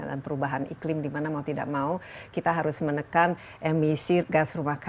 dan perubahan iklim dimana mau tidak mau kita harus menekan emisi gas rumah kaca